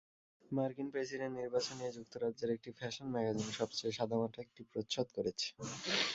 মার্কিন প্রেসিডেন্ট নির্বাচন নিয়ে যুক্তরাজ্যের একটি ফ্যাশন ম্যাগাজিন সবচেয়ে সাদামাটা একটি প্রচ্ছদ করেছে।